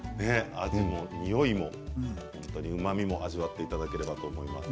味も、においも本当にうまみも味わっていただければと思います。